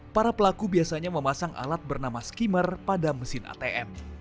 para pelaku biasanya memasang alat bernama skimmer pada mesin atm